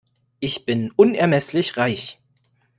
Ich bin unermesslich reich.